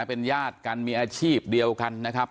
เป็นญาติกันมีอาชีพเดียวกันนะครับ